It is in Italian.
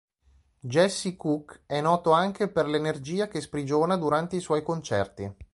Jesse Cook è noto anche per l'energia che sprigiona durante i suoi concerti.